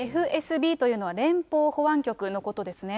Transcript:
ＦＳＢというのは連邦保安局のことですね。